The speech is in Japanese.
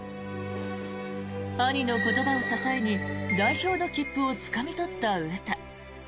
兄の言葉を支えに代表の切符をつかみ取った詩。